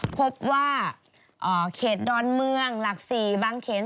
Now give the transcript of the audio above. พบว่าเขตดอนเมืองหลัก๔บางเขน